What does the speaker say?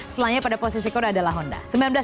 setelahnya pada posisi kota adalah honda